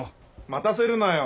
待たせるなよ。